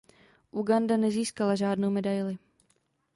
Uganda nezískala žádnou medaili.